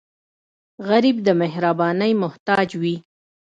غریب د مهربانۍ محتاج وي